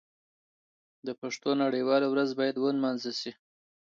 د پښتو نړیواله ورځ باید ونمانځل شي.